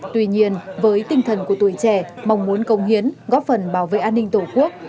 tuy nhiên với tinh thần của tuổi trẻ mong muốn công hiến góp phần bảo vệ an ninh tổ quốc